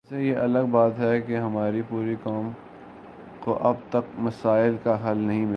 ویسے یہ الگ بات ہے کہ ہماری پوری قوم کو اب تک مسائل کا حل نہیں مل سکا